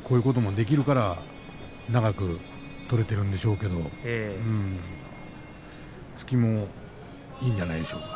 こういうこともできるから長く取れているんでしょうけれど突きもいいんじゃないでしょうか。